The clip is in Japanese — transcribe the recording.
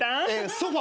ソファ。